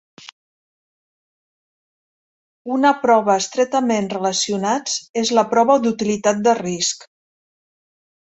Una prova estretament relacionats és la prova d'utilitat de risc.